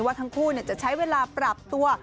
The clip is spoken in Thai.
ว่าทั้งคู่จะใช้เวลาปรับตัว